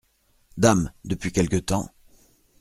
Dame ! depuis quelque temps !…